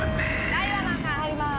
・ダイワマンさん入りまーす！